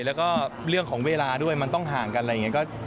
แล้วก็เรื่องของเวลาด้วยมันต้องห่างกันอะไรอย่างนี้